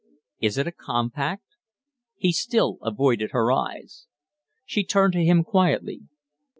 Is it a compact?" He still avoided her eyes. She turned to him quietly.